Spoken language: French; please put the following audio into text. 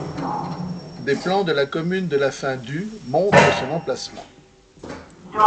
Des plans de la commune de la fin du montrent son emplacement.